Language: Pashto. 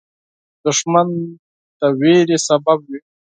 دښمن د ویرې سبب وي